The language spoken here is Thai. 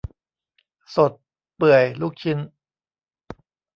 สด เปื่อย ลูกชิ้น